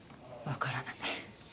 わからない。